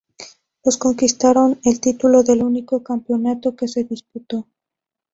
Los conquistaron el título del único campeonato que se disputó.